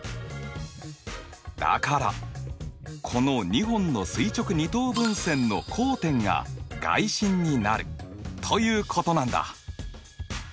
だからこの２本の垂直二等分線の交点が外心になるということなんだ。